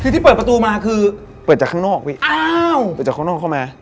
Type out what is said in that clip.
คือที่เปิดประตูมาคือเปิดจากข้างนอกพี่อ้าวเปิดจากข้างนอกเข้ามา